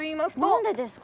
何でですか？